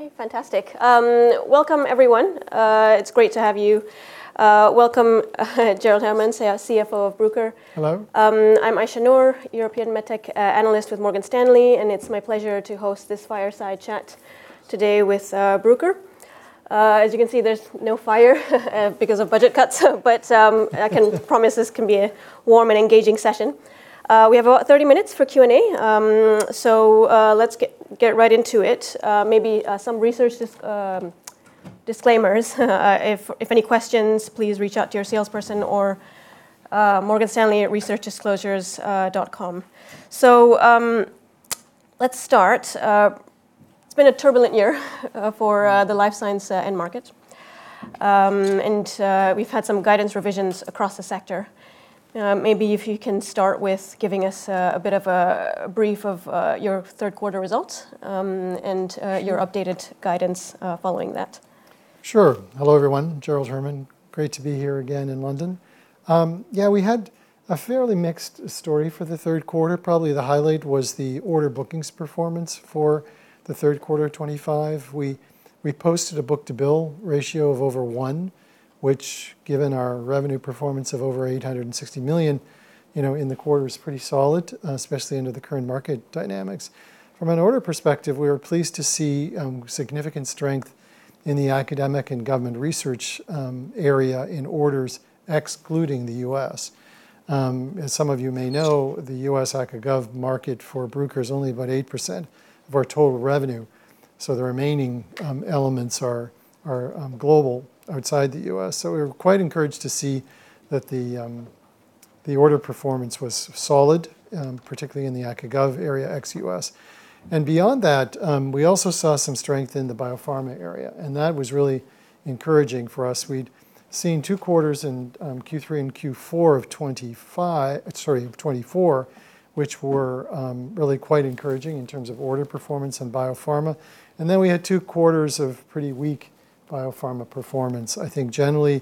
Okay, fantastic. Welcome, everyone. It's great to have you. Welcome, Gerald Herman, CFO of Bruker. Hello. I'm Aisyah Noor, European MedTech Analyst with Morgan Stanley, and it's my pleasure to host this fireside chat today with Bruker. As you can see, there's no fire because of budget cuts, but I can promise this can be a warm and engaging session. We have about 30 minutes for Q&A, so let's get right into it. Maybe some research disclaimers. If any questions, please reach out to your salesperson or morganstanley.com/researchdisclosures. So let's start. It's been a turbulent year for the life science end market, and we've had some guidance revisions across the sector. Maybe if you can start with giving us a bit of a brief of your third quarter results and your updated guidance following that. Sure. Hello, everyone. Gerald Herman, great to be here again in London. Yeah, we had a fairly mixed story for the third quarter. Probably the highlight was the order bookings performance for the third quarter of 2025. We posted a book-to-bill ratio of over one, which, given our revenue performance of over $860 million in the quarter, is pretty solid, especially under the current market dynamics. From an order perspective, we were pleased to see significant strength in the academic and government research area in orders, excluding the U.S. As some of you may know, the U.S. Academic and Government market for Bruker is only about 8% of our total revenue, so the remaining elements are global outside the U.S. So we were quite encouraged to see that the order performance was solid, particularly in the academic and government area ex U.S. And beyond that, we also saw some strength in the biopharma area, and that was really encouraging for us. We'd seen two quarters in Q3 and Q4 of 2024, which were really quite encouraging in terms of order performance and biopharma. And then we had two quarters of pretty weak biopharma performance, I think generally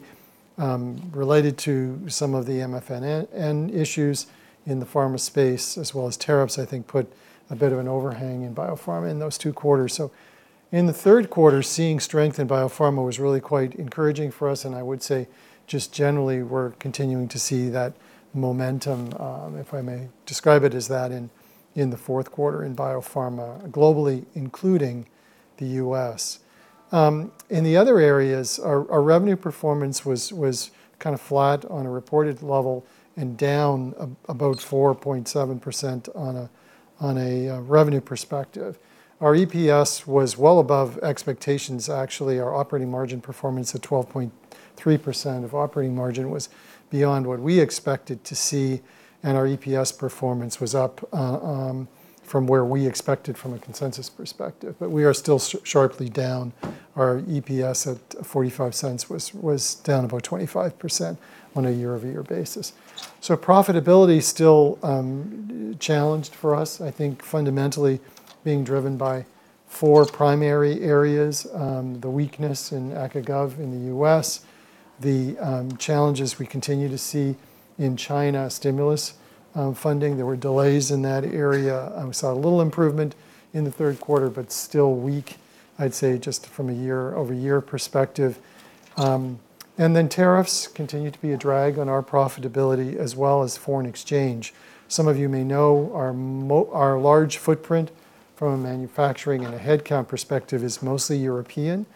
related to some of the MFN issues in the pharma space, as well as tariffs, I think put a bit of an overhang in biopharma in those two quarters. So in the third quarter, seeing strength in biopharma was really quite encouraging for us, and I would say just generally we're continuing to see that momentum, if I may describe it as that, in the fourth quarter in biopharma globally, including the U.S. In the other areas, our revenue performance was kind of flat on a reported level and down about 4.7% on a revenue perspective. Our EPS was well above expectations, actually. Our operating margin performance at 12.3% of operating margin was beyond what we expected to see, and our EPS performance was up from where we expected from a consensus perspective, but we are still sharply down. Our EPS at $0.45 was down about 25% on a year-over-year basis, so profitability is still challenged for us, I think fundamentally being driven by four primary areas: the weakness in academic and government in the U.S., the challenges we continue to see in China stimulus funding. There were delays in that area. We saw a little improvement in the third quarter, but still weak, I'd say, just from a year-over-year perspective. And then tariffs continue to be a drag on our profitability, as well as foreign exchange. Some of you may know, our large footprint from a manufacturing and a headcount perspective is mostly European,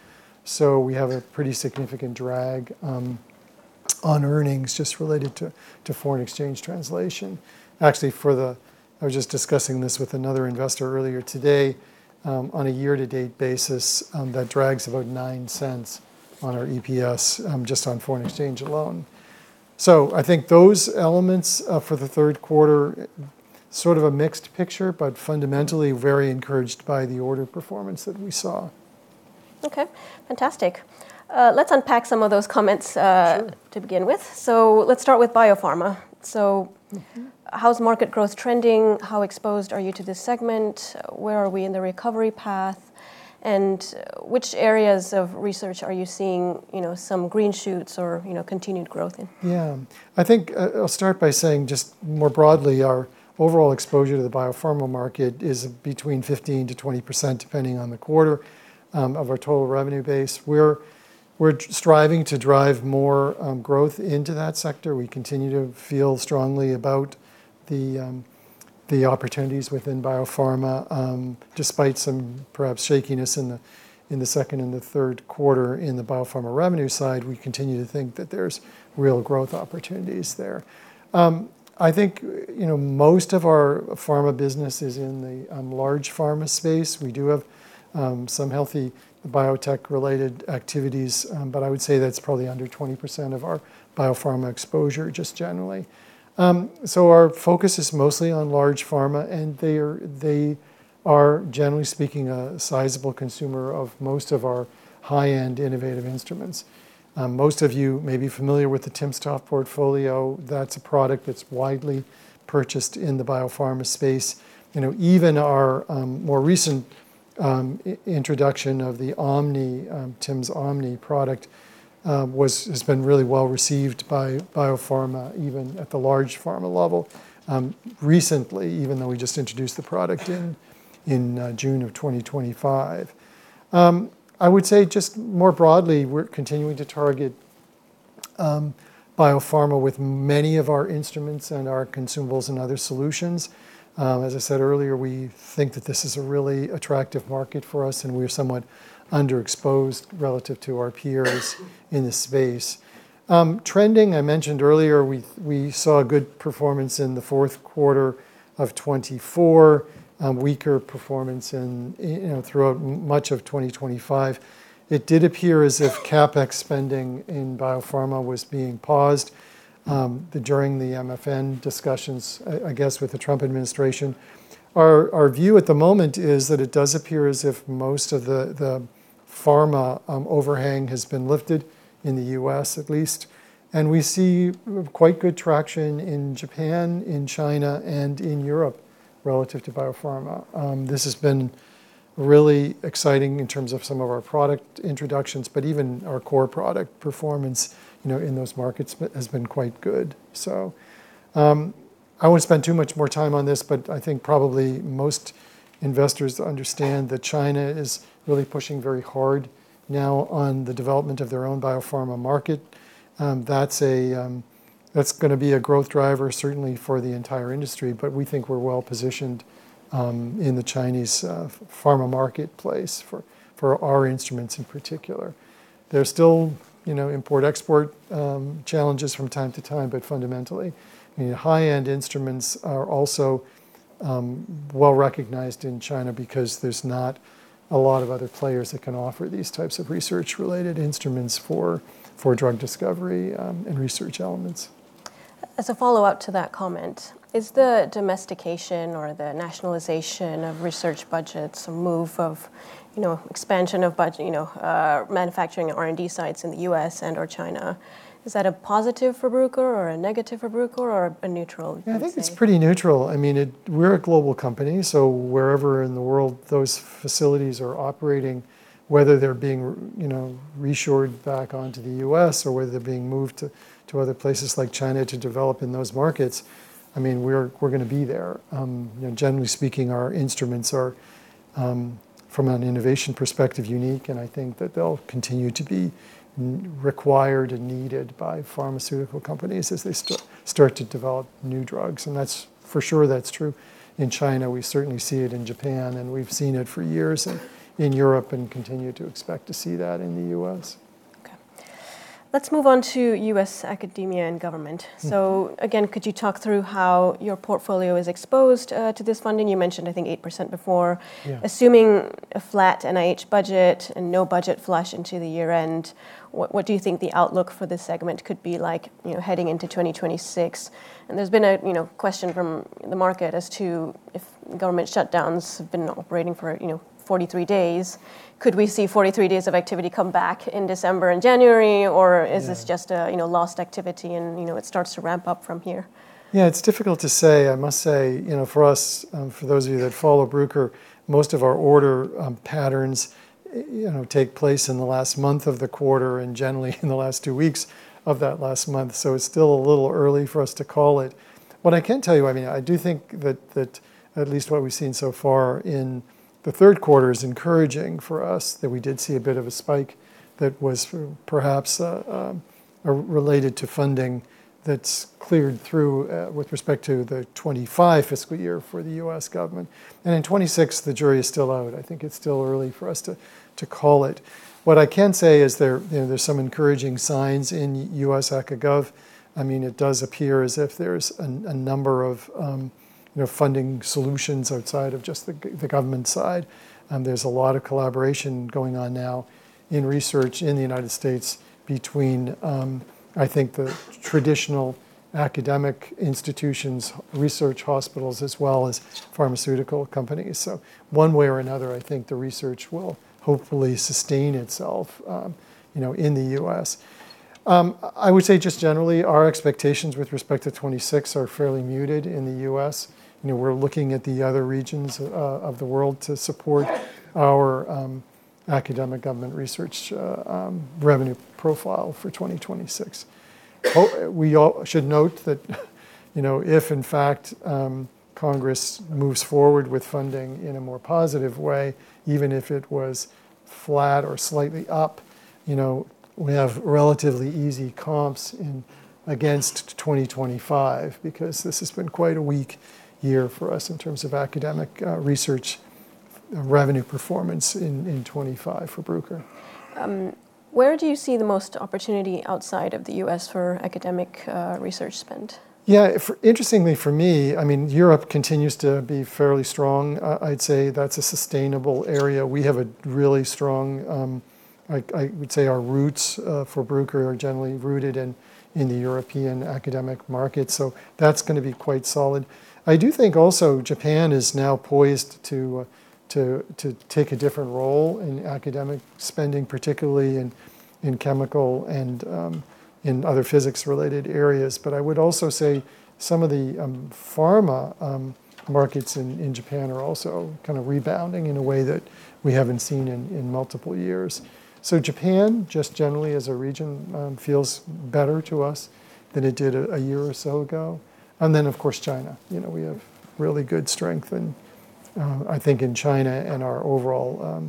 so we have a pretty significant drag on earnings just related to foreign exchange translation. Actually, I was just discussing this with another investor earlier today. On a year-to-date basis, that drags about $0.09 on our EPS just on foreign exchange alone. So I think those elements for the third quarter sort of a mixed picture, but fundamentally very encouraged by the order performance that we saw. Okay, fantastic. Let's unpack some of those comments to begin with. So let's start with biopharma. So how's market growth trending? How exposed are you to this segment? Where are we in the recovery path? And which areas of research are you seeing some green shoots or continued growth in? Yeah, I think I'll start by saying just more broadly, our overall exposure to the biopharma market is between 15%-20%, depending on the quarter of our total revenue base. We're striving to drive more growth into that sector. We continue to feel strongly about the opportunities within biopharma. Despite some perhaps shakiness in the second and the third quarter in the biopharma revenue side, we continue to think that there's real growth opportunities there. I think most of our pharma business is in the large pharma space. We do have some healthy biotech-related activities, but I would say that's probably under 20% of our biopharma exposure just generally. So our focus is mostly on large pharma, and they are, generally speaking, a sizable consumer of most of our high-end innovative instruments. Most of you may be familiar with the timsTOF portfolio. That's a product that's widely purchased in the biopharma space. Even our more recent introduction of the timsOmni product has been really well received by biopharma, even at the large pharma level, recently, even though we just introduced the product in June of 2025. I would say just more broadly, we're continuing to target biopharma with many of our instruments and our consumables and other solutions. As I said earlier, we think that this is a really attractive market for us, and we're somewhat underexposed relative to our peers in the space. Trending, I mentioned earlier, we saw good performance in the fourth quarter of 2024, weaker performance throughout much of 2025. It did appear as if CapEx spending in biopharma was being paused during the MFN discussions, I guess, with the Trump administration. Our view at the moment is that it does appear as if most of the pharma overhang has been lifted, in the U.S. at least. And we see quite good traction in Japan, in China, and in Europe relative to biopharma. This has been really exciting in terms of some of our product introductions, but even our core product performance in those markets has been quite good. So I won't spend too much more time on this, but I think probably most investors understand that China is really pushing very hard now on the development of their own biopharma market. That's going to be a growth driver, certainly for the entire industry, but we think we're well positioned in the Chinese pharma marketplace for our instruments in particular. There's still import-export challenges from time to time, but fundamentally, high-end instruments are also well recognized in China because there's not a lot of other players that can offer these types of research-related instruments for drug discovery and research elements. As a follow-up to that comment, is the domestication or the nationalization of research budgets, a move of expansion of manufacturing R&D sites in the U.S. and/or China, is that a positive for Bruker or a negative for Bruker or a neutral? I think it's pretty neutral. I mean, we're a global company, so wherever in the world those facilities are operating, whether they're being reshored back onto the U.S. or whether they're being moved to other places like China to develop in those markets, I mean, we're going to be there. Generally speaking, our instruments are, from an innovation perspective, unique, and I think that they'll continue to be required and needed by pharmaceutical companies as they start to develop new drugs, and for sure, that's true in China. We certainly see it in Japan, and we've seen it for years in Europe and continue to expect to see that in the U.S. Okay. Let's move on to U.S. academia and government. So again, could you talk through how your portfolio is exposed to this funding? You mentioned, I think, 8% before. Assuming a flat NIH budget and no budget flash into the year end, what do you think the outlook for this segment could be like heading into 2026? And there's been a question from the market as to if government shutdowns have been operating for 43 days. Could we see 43 days of activity come back in December and January, or is this just lost activity and it starts to ramp up from here? Yeah, it's difficult to say. I must say, for us, for those of you that follow Bruker, most of our order patterns take place in the last month of the quarter and generally in the last two weeks of that last month, so it's still a little early for us to call it. What I can tell you, I mean, I do think that at least what we've seen so far in the third quarter is encouraging for us, that we did see a bit of a spike that was perhaps related to funding that's cleared through with respect to the 2025 fiscal year for the U.S. government. And in 2026, the jury is still out. I think it's still early for us to call it. What I can say is there's some encouraging signs in U.S. academic and government. I mean, it does appear as if there's a number of funding solutions outside of just the government side. There's a lot of collaboration going on now in research in the United States between, I think, the traditional academic institutions, research hospitals, as well as pharmaceutical companies. So one way or another, I think the research will hopefully sustain itself in the U.S. I would say just generally, our expectations with respect to 2026 are fairly muted in the U.S. We're looking at the other regions of the world to support our academic government research revenue profile for 2026. We should note that if, in fact, Congress moves forward with funding in a more positive way, even if it was flat or slightly up, we have relatively easy comps against 2025 because this has been quite a weak year for us in terms of academic research revenue performance in 2025 for Bruker. Where do you see the most opportunity outside of the U.S. for academic research spend? Yeah, interestingly for me, I mean, Europe continues to be fairly strong. I'd say that's a sustainable area. We have a really strong, I would say our roots for Bruker are generally rooted in the European academic market, so that's going to be quite solid. I do think also Japan is now poised to take a different role in academic spending, particularly in chemical and in other physics-related areas. But I would also say some of the pharma markets in Japan are also kind of rebounding in a way that we haven't seen in multiple years. So Japan, just generally as a region, feels better to us than it did a year or so ago, and then, of course, China. We have really good strength, I think, in China and our overall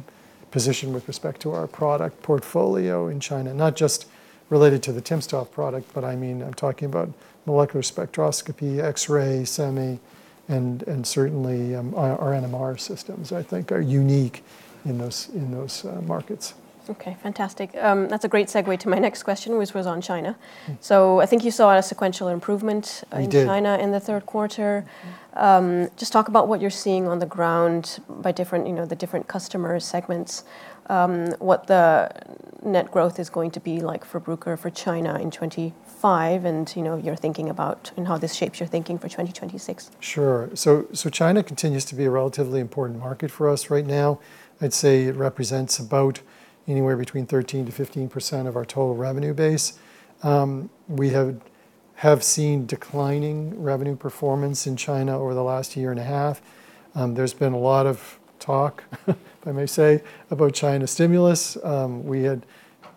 position with respect to our product portfolio in China, not just related to the timsTOF product, but I mean, I'm talking about molecular spectroscopy, X-ray, semiconductor, and certainly our NMR systems, I think, are unique in those markets. Okay, fantastic. That's a great segue to my next question, which was on China. So I think you saw a sequential improvement in China in the third quarter. Just talk about what you're seeing on the ground by the different customer segments, what the net growth is going to be like for Bruker for China in 2025, and you're thinking about how this shapes your thinking for 2026. Sure. So China continues to be a relatively important market for us right now. I'd say it represents about anywhere between 13%-15% of our total revenue base. We have seen declining revenue performance in China over the last year and a half. There's been a lot of talk, if I may say, about China stimulus. We had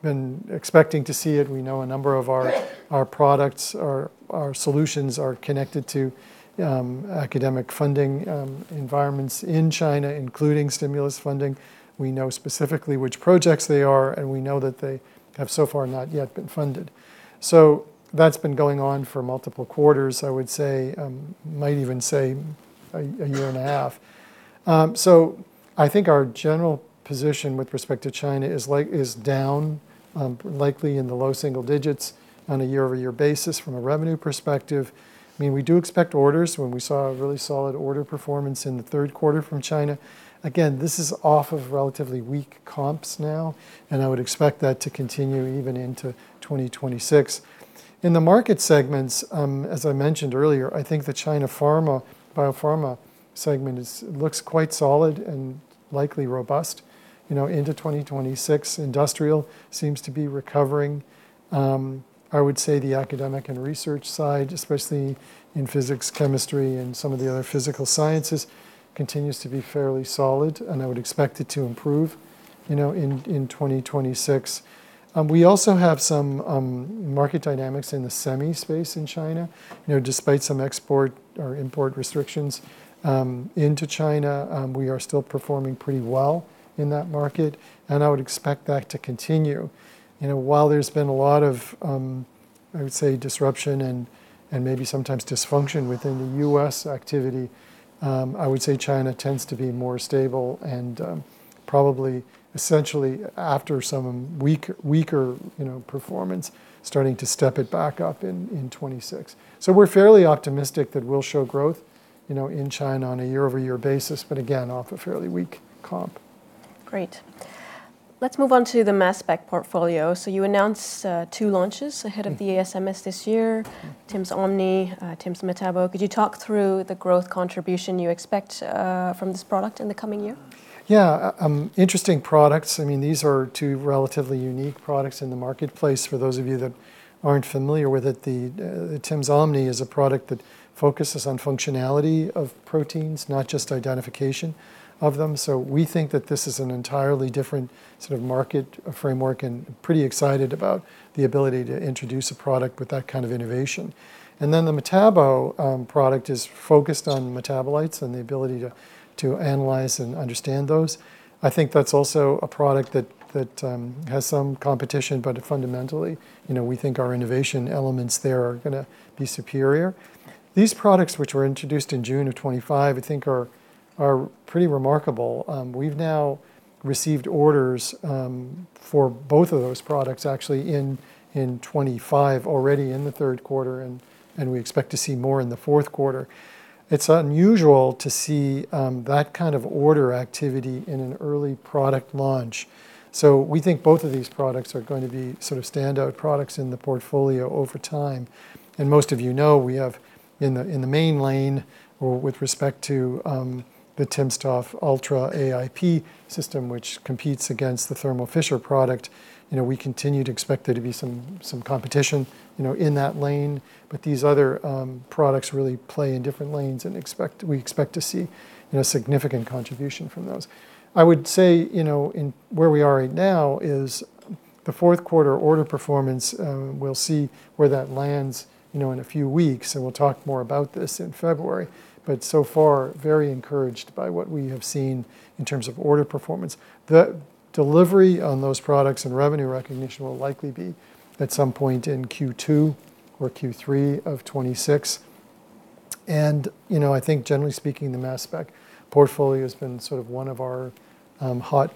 been expecting to see it. We know a number of our products, our solutions are connected to academic funding environments in China, including stimulus funding. We know specifically which projects they are, and we know that they have so far not yet been funded. So that's been going on for multiple quarters, I would say, might even say a year and a half. So I think our general position with respect to China is down, likely in the low single digits on a year-over-year basis from a revenue perspective. I mean, we do expect orders when we saw a really solid order performance in the third quarter from China. Again, this is off of relatively weak comps now, and I would expect that to continue even into 2026. In the market segments, as I mentioned earlier, I think the China biopharma segment looks quite solid and likely robust into 2026. Industrial seems to be recovering. I would say the academic and research side, especially in physics, chemistry, and some of the other physical sciences, continues to be fairly solid, and I would expect it to improve in 2026. We also have some market dynamics in the semiconductor space in China. Despite some export or import restrictions into China, we are still performing pretty well in that market, and I would expect that to continue. While there's been a lot of, I would say, disruption and maybe sometimes dysfunction within the U.S. activity, I would say China tends to be more stable and probably essentially after some weaker performance, starting to step it back up in 2026, so we're fairly optimistic that we'll show growth in China on a year-over-year basis, but again, off a fairly weak comp. Great. Let's move on to the mass spec portfolio. So you announced two launches ahead of the ASMS this year, timsOmni, timsMetabo. Could you talk through the growth contribution you expect from this product in the coming year? Yeah, interesting products. I mean, these are two relatively unique products in the marketplace. For those of you that aren't familiar with it, the timsOmni is a product that focuses on functionality of proteins, not just identification of them, so we think that this is an entirely different sort of market framework and pretty excited about the ability to introduce a product with that kind of innovation, and then the timsMetabo product is focused on metabolites and the ability to analyze and understand those. I think that's also a product that has some competition, but fundamentally, we think our innovation elements there are going to be superior. These products, which were introduced in June of 2025, I think are pretty remarkable. We've now received orders for both of those products, actually, in 2025, already in the third quarter, and we expect to see more in the fourth quarter. It's unusual to see that kind of order activity in an early product launch, so we think both of these products are going to be sort of standout products in the portfolio over time, and most of you know we have in the main lane with respect to the timsTOF Ultra AIP system, which competes against the Thermo Fisher product. We continue to expect there to be some competition in that lane, but these other products really play in different lanes, and we expect to see a significant contribution from those. I would say where we are right now is the fourth quarter order performance. We'll see where that lands in a few weeks, and we'll talk more about this in February, but so far, very encouraged by what we have seen in terms of order performance. The delivery on those products and revenue recognition will likely be at some point in Q2 or Q3 of 2026. And I think, generally speaking, the mass spec portfolio has been sort of one of our hot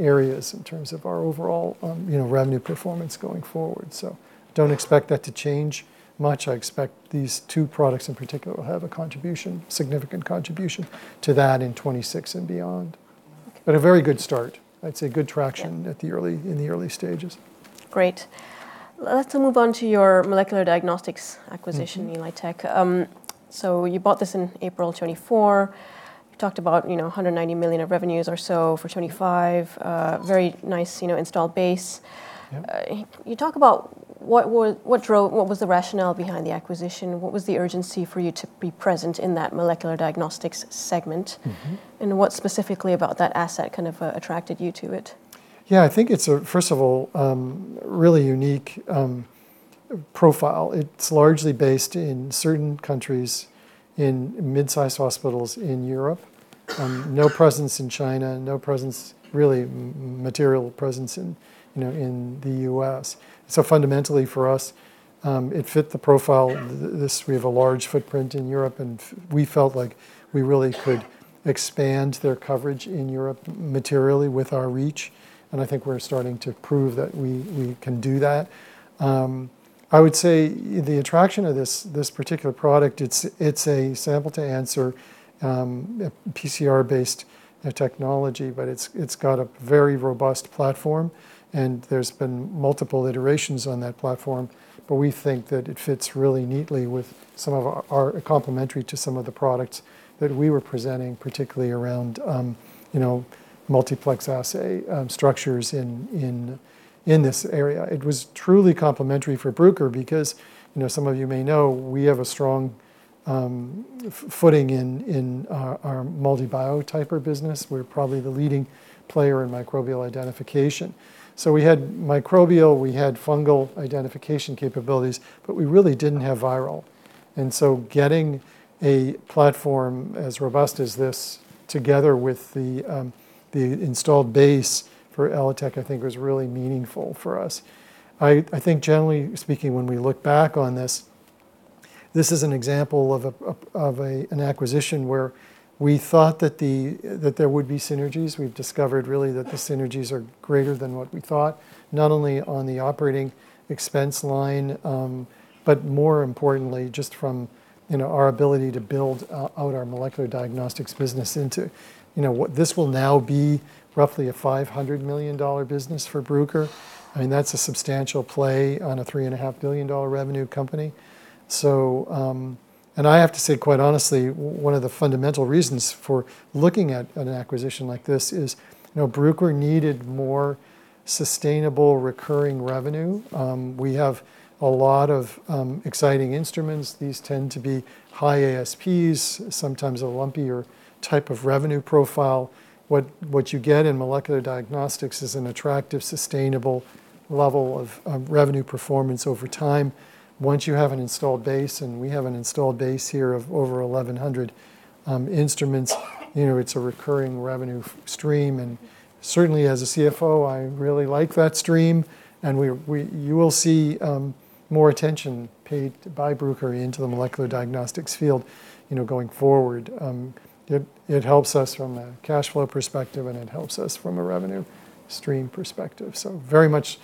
areas in terms of our overall revenue performance going forward. So don't expect that to change much. I expect these two products in particular will have a significant contribution to that in 2026 and beyond. But a very good start. I'd say good traction in the early stages. Great. Let's move on to your molecular diagnostics acquisition, ELITechGroup. So you bought this in April 2024. You talked about $190 million of revenues or so for 2025, very nice installed base. You talk about what was the rationale behind the acquisition? What was the urgency for you to be present in that molecular diagnostics segment? And what specifically about that asset kind of attracted you to it? Yeah, I think it's, first of all, a really unique profile. It's largely based in certain countries, in mid-sized hospitals in Europe, no presence in China, no presence, really material presence in the U.S. So fundamentally for us, it fit the profile. We have a large footprint in Europe, and we felt like we really could expand their coverage in Europe materially with our reach. And I think we're starting to prove that we can do that. I would say the attraction of this particular product, it's a sample to answer PCR-based technology, but it's got a very robust platform, and there's been multiple iterations on that platform. But we think that it fits really neatly with some of our complementary to some of the products that we were presenting, particularly around multiplex assay structures in this area. It was truly complementary for Bruker because some of you may know we have a strong footing in our MALDI Biotyper business. We're probably the leading player in microbial identification, so we had microbial, we had fungal identification capabilities, but we really didn't have viral, and so getting a platform as robust as this together with the installed base for ELITechGroup, I think, was really meaningful for us. I think, generally speaking, when we look back on this, this is an example of an acquisition where we thought that there would be synergies. We've discovered really that the synergies are greater than what we thought, not only on the operating expense line, but more importantly, just from our ability to build out our molecular diagnostics business into what this will now be roughly a $500 million business for Bruker. I mean, that's a substantial play on a $3.5 billion revenue company. And I have to say, quite honestly, one of the fundamental reasons for looking at an acquisition like this is Bruker needed more sustainable recurring revenue. We have a lot of exciting instruments. These tend to be high ASPs, sometimes a lumpier type of revenue profile. What you get in molecular diagnostics is an attractive, sustainable level of revenue performance over time. Once you have an installed base, and we have an installed base here of over 1,100 instruments, it's a recurring revenue stream. And certainly, as a CFO, I really like that stream. And you will see more attention paid by Bruker into the molecular diagnostics field going forward. It helps us from a cash flow perspective, and it helps us from a revenue stream perspective. So very much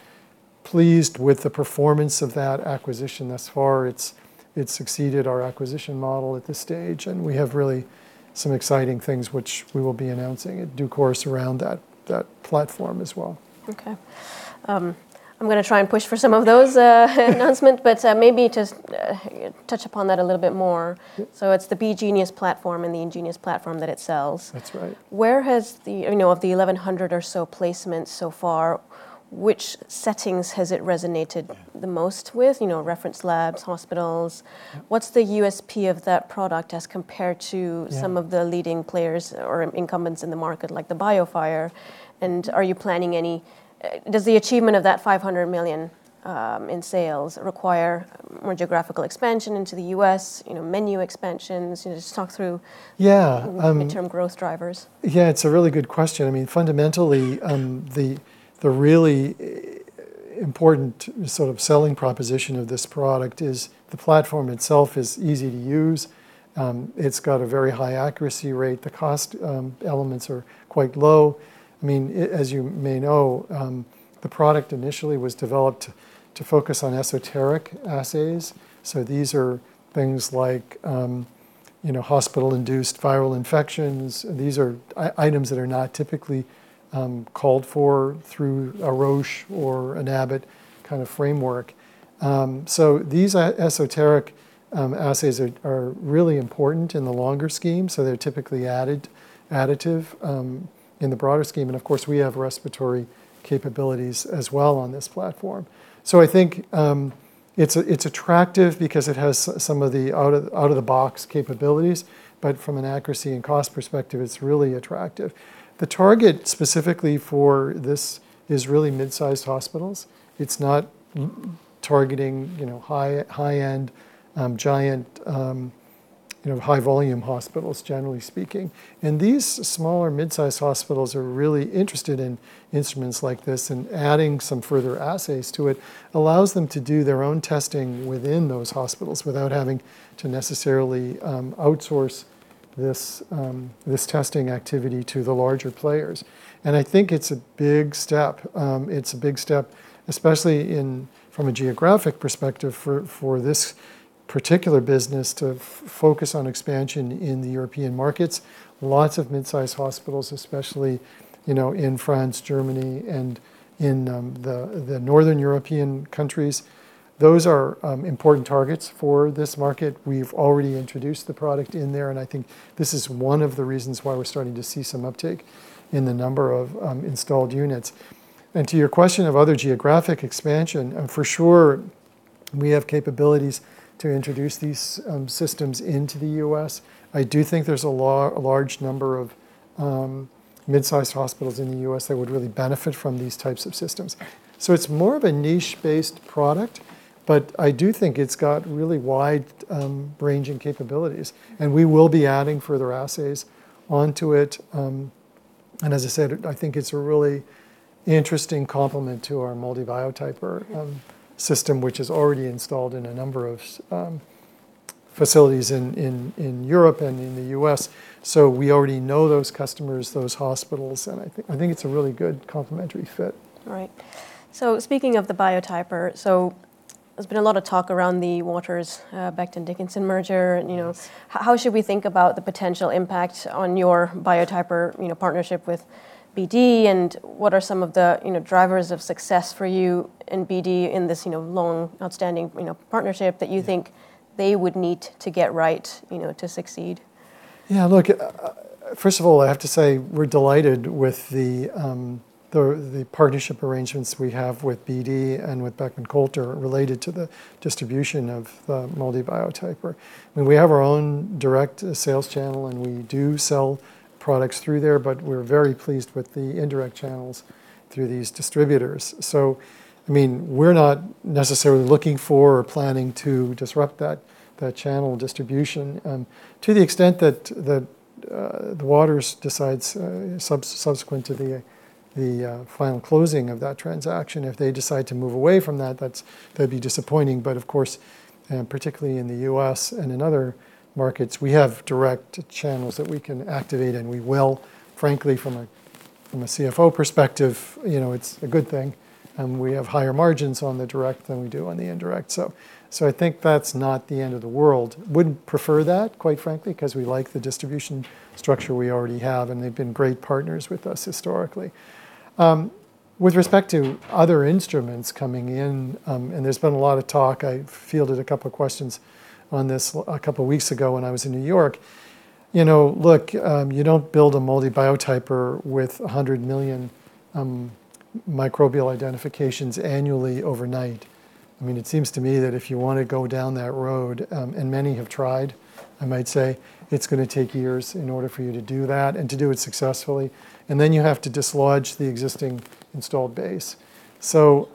pleased with the performance of that acquisition thus far. It's superseded our acquisition model at this stage, and we have really some exciting things which we will be announcing in due course around that platform as well. Okay. I'm going to try and push for some of those announcements, but maybe just touch upon that a little bit more. So it's the BeGenius platform and the InGenius platform that it sells. That's right. Where has the, of the 1,100 or so placements so far, which settings has it resonated the most with? Reference labs, hospitals? What's the USP of that product as compared to some of the leading players or incumbents in the market, like the BioFire? And are you planning any? Does the achievement of that $500 million in sales require more geographical expansion into the U.S., menu expansions? Just talk through the longer-term growth drivers. Yeah, it's a really good question. I mean, fundamentally, the really important sort of selling proposition of this product is the platform itself is easy to use. It's got a very high accuracy rate. The cost elements are quite low. I mean, as you may know, the product initially was developed to focus on esoteric assays. So these are things like hospital-induced viral infections. These are items that are not typically called for through a Roche or an Abbott kind of framework. So these esoteric assays are really important in the longer scheme. So they're typically additive in the broader scheme. And of course, we have respiratory capabilities as well on this platform. So I think it's attractive because it has some of the out-of-the-box capabilities, but from an accuracy and cost perspective, it's really attractive. The target specifically for this is really mid-sized hospitals. It's not targeting high-end, giant, high-volume hospitals, generally speaking. And these smaller mid-sized hospitals are really interested in instruments like this, and adding some further assays to it allows them to do their own testing within those hospitals without having to necessarily outsource this testing activity to the larger players. And I think it's a big step. It's a big step, especially from a geographic perspective for this particular business to focus on expansion in the European markets. Lots of mid-sized hospitals, especially in France, Germany, and in the northern European countries, those are important targets for this market. We've already introduced the product in there, and I think this is one of the reasons why we're starting to see some uptake in the number of installed units. And to your question of other geographic expansion, for sure, we have capabilities to introduce these systems into the U.S. I do think there's a large number of mid-sized hospitals in the U.S. that would really benefit from these types of systems. So it's more of a niche-based product, but I do think it's got really wide-ranging capabilities, and we will be adding further assays onto it. And as I said, I think it's a really interesting complement to our MALDI Biotyper system, which is already installed in a number of facilities in Europe and in the U.S. So we already know those customers, those hospitals, and I think it's a really good complementary fit. All right, so speaking of the Biotyper, so there's been a lot of talk around the Waters Corp to Becton, Dickinson merger. How should we think about the potential impact on your Biotyper partnership with BD, and what are some of the drivers of success for you and BD in this long, outstanding partnership that you think they would need to get right to succeed? Yeah, look, first of all, I have to say we're delighted with the partnership arrangements we have with BD and with Beckman Coulter related to the distribution of the MALDI Biotyper. I mean, we have our own direct sales channel, and we do sell products through there, but we're very pleased with the indirect channels through these distributors. So I mean, we're not necessarily looking for or planning to disrupt that channel distribution to the extent that Waters Corp decides subsequent to the final closing of that transaction. If they decide to move away from that, that'd be disappointing. But of course, particularly in the U.S. and in other markets, we have direct channels that we can activate, and we will. Frankly, from a CFO perspective, it's a good thing. We have higher margins on the direct than we do on the indirect. So I think that's not the end of the world. Wouldn't prefer that, quite frankly, because we like the distribution structure we already have, and they've been great partners with us historically. With respect to other instruments coming in, and there's been a lot of talk. I fielded a couple of questions on this a couple of weeks ago when I was in New York. Look, you don't build a MALDI Biotyper with 100 million microbial identifications annually overnight. I mean, it seems to me that if you want to go down that road, and many have tried, I might say, it's going to take years in order for you to do that and to do it successfully. And then you have to dislodge the existing installed base. So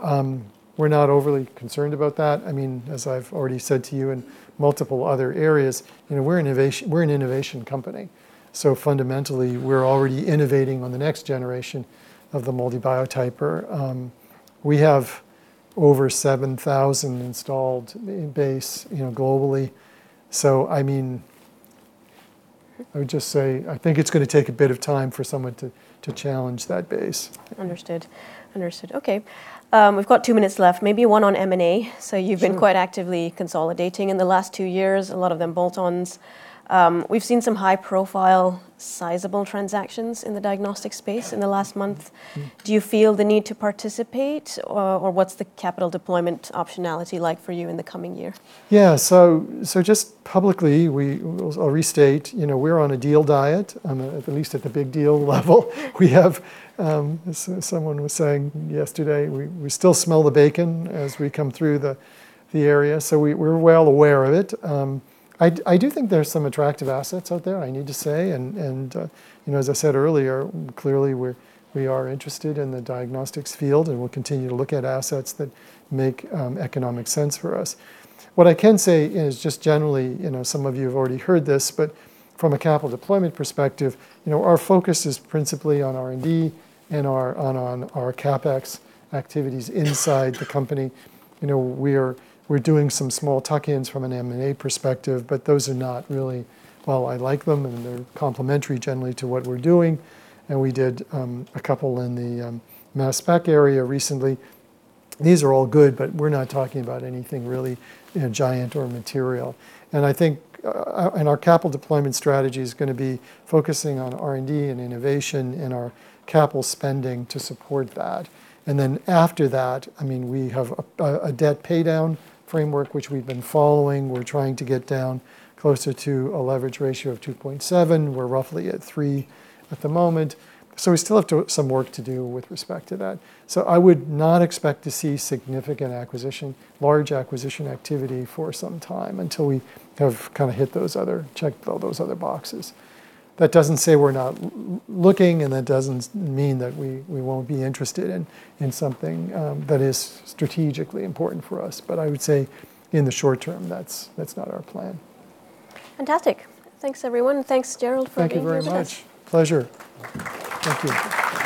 we're not overly concerned about that. I mean, as I've already said to you in multiple other areas, we're an innovation company. So fundamentally, we're already innovating on the next generation of the MALDI Biotyper. We have over 7,000 installed base globally. So I mean, I would just say I think it's going to take a bit of time for someone to challenge that base. Understood. Understood. Okay. We've got two minutes left. Maybe one on M&A. So you've been quite actively consolidating in the last two years, a lot of them bolt-ons. We've seen some high-profile, sizable transactions in the diagnostic space in the last month. Do you feel the need to participate, or what's the capital deployment optionality like for you in the coming year? Yeah, so just publicly, I'll restate, we're on a deal diet, at least at the big deal level. Someone was saying yesterday, we still smell the bacon as we come through the area, so we're well aware of it. I do think there's some attractive assets out there, I need to say, and as I said earlier, clearly we are interested in the diagnostics field, and we'll continue to look at assets that make economic sense for us. What I can say is just generally, some of you have already heard this, but from a capital deployment perspective, our focus is principally on R&D and on our CapEx activities inside the company. We're doing some small tuck-ins from an M&A perspective, but those are not really, well, I like them, and they're complementary generally to what we're doing, and we did a couple in the mass spec area recently. These are all good, but we're not talking about anything really giant or material. And I think our capital deployment strategy is going to be focusing on R&D and innovation and our capital spending to support that. And then after that, I mean, we have a debt paydown framework, which we've been following. We're trying to get down closer to a leverage ratio of 2.7. We're roughly at 3 at the moment. So we still have some work to do with respect to that. So I would not expect to see significant acquisition, large acquisition activity for some time until we have kind of hit those other checked those other boxes. That doesn't say we're not looking, and that doesn't mean that we won't be interested in something that is strategically important for us. But I would say in the short term, that's not our plan. Fantastic. Thanks, everyone. Thanks, Gerald, for being here. Thank you very much. Pleasure. Thank you.